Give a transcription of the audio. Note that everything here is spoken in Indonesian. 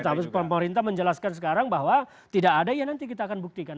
tapi pemerintah menjelaskan sekarang bahwa tidak ada ya nanti kita akan buktikan